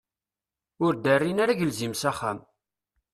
Ur d-rrin ara agelzim s axxam.